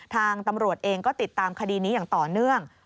ทางตำรวจเองก็ติดตามคดีนี้อย่างต่อเนื่อง